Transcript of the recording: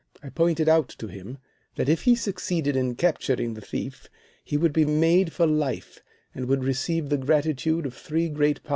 I pointed out to him that if he succeeded in capturing the thief he would be made for life, and would receive the gratitude of three great powers.